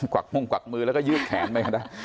วักมุ่งกวักมือแล้วก็ยืดแขนไปก็ได้